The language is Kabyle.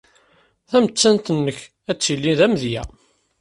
Tamettant-nnek ad tili d amedya.